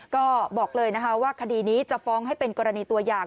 ก็บอกเลยนะคะว่าคดีนี้จะฟ้องให้เป็นกรณีตัวอย่าง